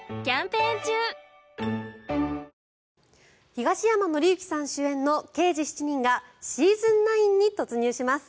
東山紀之さん主演の「刑事７人」がシーズン９に突入します。